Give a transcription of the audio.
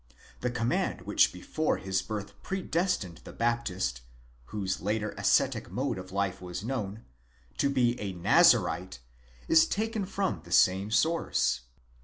6 The command which before his birth predestined the Baptist —whose later ascetic mode of life was known—to be a Nazarite, is taken from the same source.